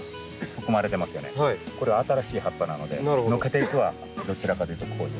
これは新しい葉っぱなのでのけていくのはどちらかというとこういう。